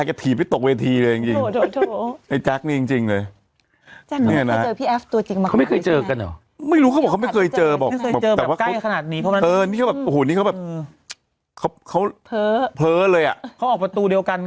เจอเคยเจอเข้าเห้อเค้าเผ้อเลยอ่ะออกประตูเดียวกัน